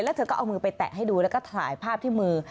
แล้วเธอก็เอามือไปแตะให้ดูแล้วก็ถ่ายภาพที่มือ